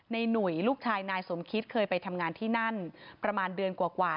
หนุ่ยลูกชายนายสมคิตเคยไปทำงานที่นั่นประมาณเดือนกว่า